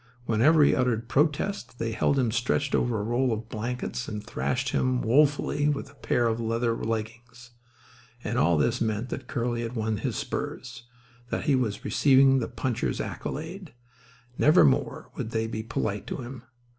Whenever he uttered protest they held him stretched over a roll of blankets and thrashed him woefully with a pair of leather leggings. And all this meant that Curly had won his spurs, that he was receiving the puncher's accolade. Nevermore would they be polite to him.